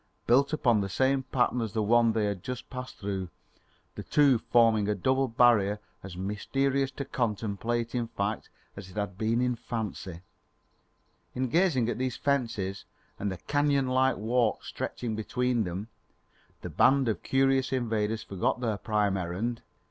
built upon the same pattern as the one they had just passed through; the two forming a double barrier as mysterious to contemplate in fact as it had ever been in fancy. In gazing at these fences and the canyon like walk stretching between them, the band of curious invaders forgot their prime errand.